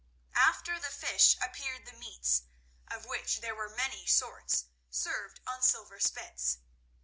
After the fish appeared the meats, of which there were many sorts, served on silver spits.